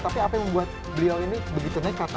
tapi apa yang membuat beliau ini begitu nekat